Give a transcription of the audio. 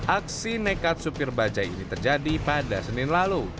aksi nekat supir bajai ini terjadi pada senin lalu